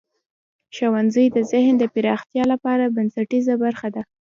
ښوونځی د ذهن د پراختیا لپاره بنسټیزه برخه ده.